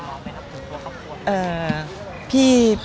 ให้น้องไหมคะ